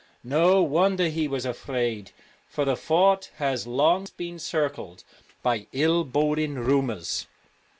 No wonder he was afraid, for the fort has long been circled by ill boding rumours.